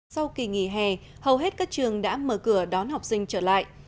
sau kỳ nghỉ hè hầu hết các trường đã mở cửa đón học sinh trở lại